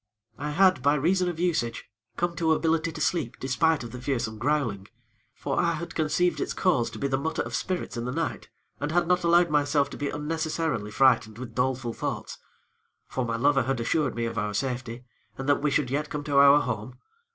"I had, by reason of usage, come to ability to sleep despite of the fearsome growling; for I had conceived its cause to be the mutter of spirits in the night, and had not allowed myself to be unnecessarily frightened with doleful thoughts; for my lover had assured me of our safety, and that we should yet come to our home.